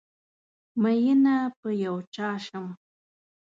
ميېنه په یو چا شم